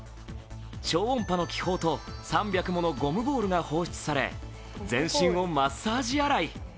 超音波の気泡と３００ものゴムボールが放出され全身をマッサージ洗い。